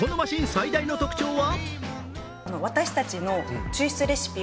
最大の特徴は？